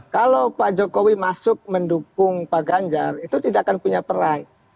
kalau pak jokowi masuk mendukung pak ganjar itu tidak akan punya peran